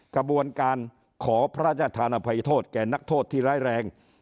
กระบวนการขอพระราชธานภัยโทษแก่นักโทษที่ร้ายแรง